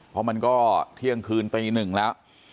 เพราะมันก็เที่ยงคืนตีหนึ่งแล้ว